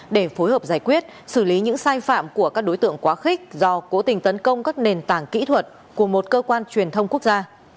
để phối hợp giải quyết xử lý những sai phạm của các đối tượng quá khích do cố tình tấn công các nền tảng kỹ thuật của một cơ quan truyền thông quốc gia